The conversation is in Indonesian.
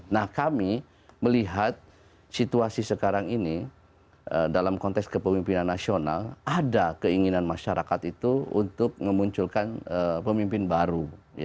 nah kami melihat situasi sekarang ini dalam konteks kepemimpinan nasional ada keinginan masyarakat itu untuk memunculkan pemimpin baru